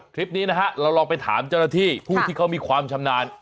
คลิปนี้นะฮะเราลองไปถามเจ้าหน้าที่ผู้ที่เขามีความชำนาญ